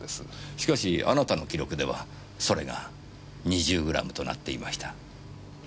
しかしあなたの記録ではそれが２０グラムとなっていました。